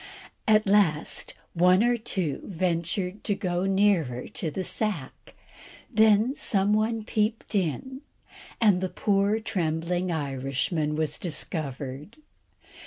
At last one or two ventured to go nearer to the sack, then some one peeped in, and the poor trembling Irishman was discovered.